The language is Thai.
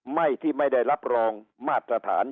ไม่ที่ไม่ได้รับรองมาตรฐาน